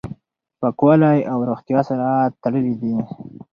پاکوالی او روغتیا سره تړلي دي.